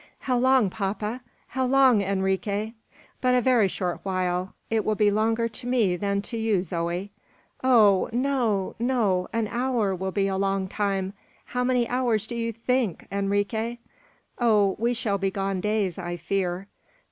"How long, papa? How long, Enrique?" "But a very short while. It will be longer to me than to you, Zoe." "Oh! no, no; an hour will be a long time. How many hours do you think, Enrique?" "Oh! we shall be gone days, I fear."